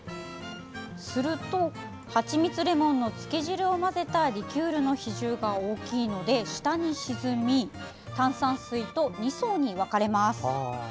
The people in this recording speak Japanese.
すると、はちみつレモンのつけ汁を混ぜたリキュールの比重が大きいので下に沈み炭酸水と、２層に分かれます。